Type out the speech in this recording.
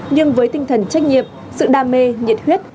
nhưng với tinh thần trách nhiệm sự đam mê nhiệt huyết